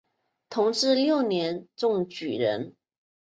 同治六年中举人。